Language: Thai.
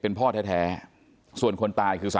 ทีนี้ก็ต้องถามคนกลางหน่อยกันแล้วกัน